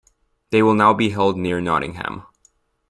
They will now be held near Nottingham.